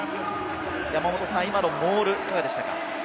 今のモール、いかがでしたか？